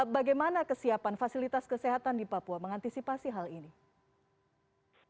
bagaimana kesiapan fasilitas kesehatan di papua mengantisipasi hal ini